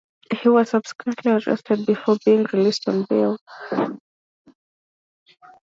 He was subsequently arrested before being released on bail.